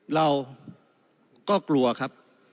เราก็กลัวครับ